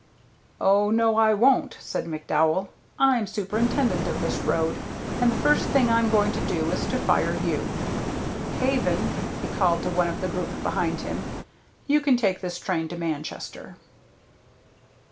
"Oh, no, I won't," said McDowell. "I'm superintendent of this road, and the first thing I'm going to do is to fire you. Haven," he called to one of the group behind him, "you can take this train to Manchester."